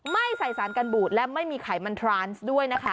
ไม่ใส่สารกันบูดและไม่มีไขมันทรานซ์ด้วยนะคะ